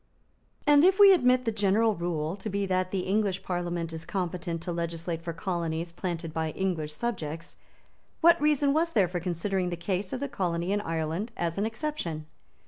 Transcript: And, if we admit the general rule to be that the English parliament is competent to legislate for colonies planted by English subjects, what reason was there for considering the case of the colony in Ireland as an exception?